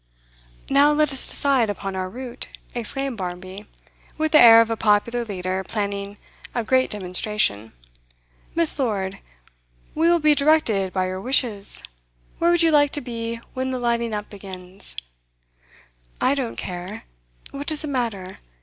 'Now let us decide upon our route,' exclaimed Barmby, with the air of a popular leader planning a great demonstration. 'Miss. Lord, we will be directed by your wishes. Where would you like to be when the lighting up begins?' 'I don't care. What does it matter?